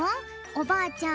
おばあちゃん